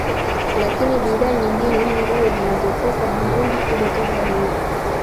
Lakini bidhaa nyingine ni nguo zinazotoka Burundi kuja Tanzania